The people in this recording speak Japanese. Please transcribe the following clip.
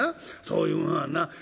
そういうものはな